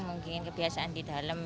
mungkin kebiasaan di dalam